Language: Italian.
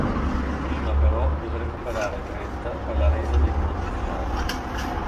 Prima però deve recuperare Gretta per la resa dei conti finale.